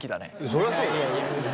そりゃそうだよ。